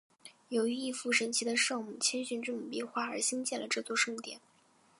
由于一幅神奇的圣母谦逊之母壁画而兴建了这座圣殿。